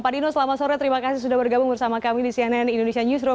pak dino selamat sore terima kasih sudah bergabung bersama kami di cnn indonesia newsroom